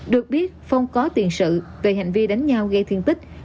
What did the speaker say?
được biết phong có tiền sự về hành vi đánh nhau gây thương tích